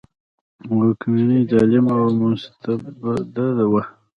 واکمني ظالمه او مستبده وه.